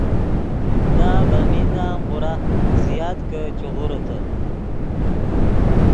دا ڤے میندا ام غورا زیات کہ چے غوریتے